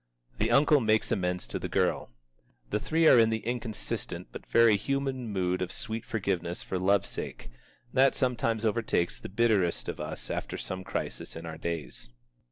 The uncle makes amends to the girl. The three are in the inconsistent but very human mood of sweet forgiveness for love's sake, that sometimes overtakes the bitterest of us after some crisis in our days.